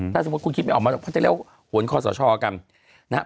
ถ้าสมมุติคุณคิดไม่ออกมาหรอกเขาจะเรียกว่าหวนคอสชกันนะครับ